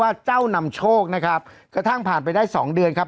เจ้านำโชคนะครับกระทั่งผ่านไปได้สองเดือนครับ